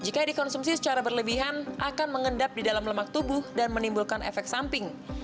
jika dikonsumsi secara berlebihan akan mengendap di dalam lemak tubuh dan menimbulkan efek samping